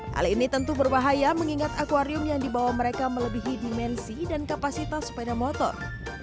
hal ini tentu berbahaya mengingat akwarium yang dibawa mereka melebihi dimensi dan kapasitas sepeda motor